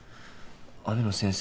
「雨野先生